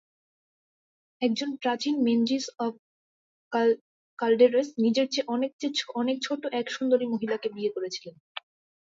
একজন প্রাচীন Menzies of কালডেরেস নিজের চেয়ে অনেক ছোট এক সুন্দরী মহিলাকে বিয়ে করেছিলেন।